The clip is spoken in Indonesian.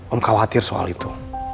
om khawatir soal itu